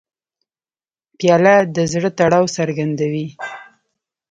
پیاله د زړه تړاو څرګندوي.